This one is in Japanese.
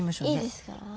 いいですか。